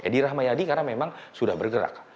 edi rahmayadi karena memang sudah bergerak